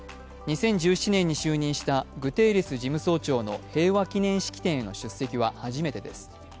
２０１７年に就任したグテーレス事務総長の平和記念式典への出席は初めてです。